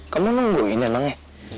kamu memang gue ingin emangnya